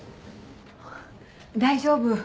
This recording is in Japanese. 大丈夫。